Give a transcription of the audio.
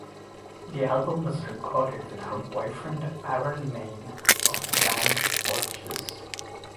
The album was recorded with her boyfriend Aaron Maine of the band Porches.